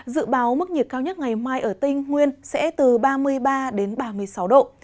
dự báo mức nhiệt cao nhất ngày mai ở tây nguyên sẽ từ ba mươi ba đến ba mươi sáu độ